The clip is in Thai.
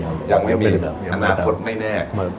ยังไม่มีอนาคตไม่แน่